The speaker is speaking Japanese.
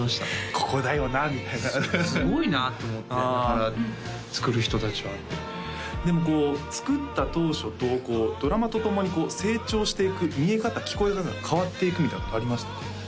ここだよなみたいなすごいなと思って作る人達はでもこう作った当初とドラマと共に成長していく見え方聴こえ方が変わっていくみたいなことありましたか？